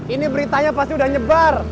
ini beritanya pasti udah nyebar